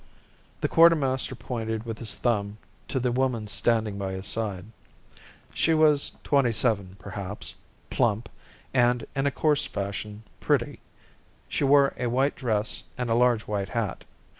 The quartermaster pointed with his thumb to the woman standing by his side. She was twenty seven perhaps, plump, and in a coarse fashion pretty. She wore a white dress and a large white hat.